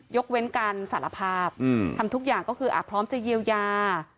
ยกเว้นการสารภาพทำทุกอย่างก็คือพร้อมจะเยียวยา